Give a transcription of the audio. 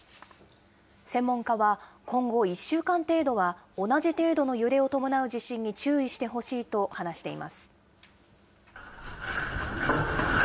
専門家は、今後１週間程度は同じ程度の揺れを伴う地震に注意してほしいと話しています。